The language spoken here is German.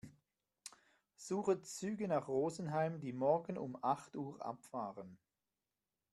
Suche Züge nach Rosenheim, die morgen um acht Uhr abfahren.